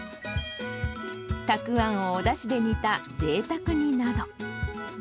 たくあんをおだしで煮た、ぜいたく煮など。